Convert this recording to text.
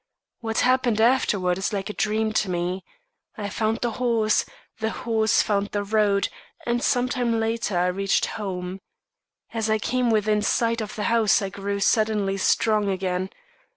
What happened afterward is like a dream to me. I found the horse; the horse found the road; and some time later I reached home. As I came within sight of the house I grew suddenly strong again.